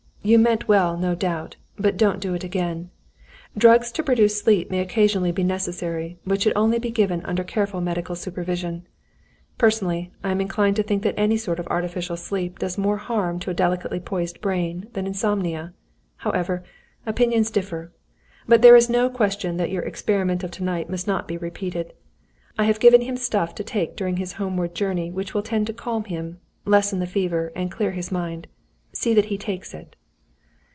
"You meant well, no doubt. But don't do it again. Drugs to produce sleep may occasionally be necessary, but should only be given under careful medical supervision. Personally, I am inclined to think that any sort of artificial sleep does more harm to a delicately poised brain, than insomnia. However, opinions differ. But there is no question that your experiment of to night must not be repeated. I have given him stuff to take during his homeward journey which will tend to calm him, lessen the fever, and clear his mind. See that he takes it."